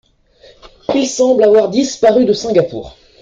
Il semble avoir disparu de Singapour.